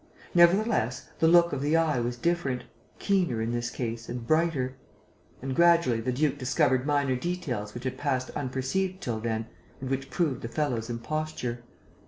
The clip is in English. Nevertheless, the look of the eye was different, keener in this case and brighter; and gradually the duke discovered minor details which had passed unperceived till then and which proved the fellow's imposture.